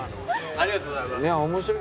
ありがとうございます。